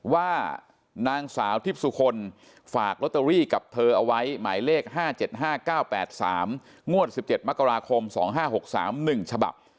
ว่านางสาวทิพย์สุคลฝากลอตเตอรี่กับเธอเอาไว้หมายเลข๕๗๕๙๘๓งวด๑๗มกราคม๒๕๖๓๑ฉบับ